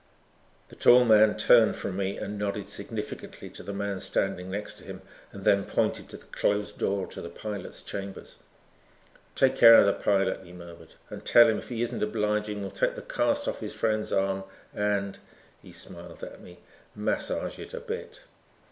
The tall man turned from me and nodded significantly to the man standing next to him and then pointed to the closed door to the pilot's chambers. "Take care of the pilot," he murmured, "and tell him if he isn't obliging we'll take the cast off his friend's arm and " he smiled at me, "massage it a bit."